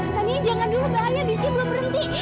tania jangan dulu bahaya busnya belum berhenti